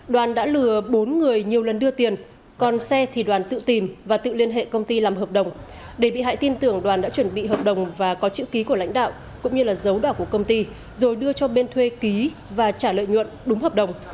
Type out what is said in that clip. đoàn đã lừa bốn người nhiều lần đưa tiền còn xe thì đoàn tự tìm và tự liên hệ công ty làm hợp đồng để bị hại tin tưởng đoàn đã chuẩn bị hợp đồng và có chữ ký của lãnh đạo cũng như là dấu đảo của công ty rồi đưa cho bên thuê ký và trả lợi nhuận đúng hợp đồng